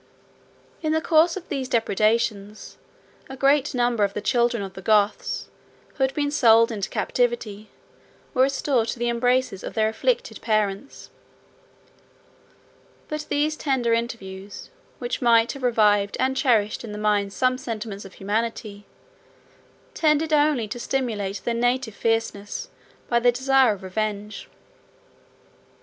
In the course of these depredations, a great number of the children of the Goths, who had been sold into captivity, were restored to the embraces of their afflicted parents; but these tender interviews, which might have revived and cherished in their minds some sentiments of humanity, tended only to stimulate their native fierceness by the desire of revenge.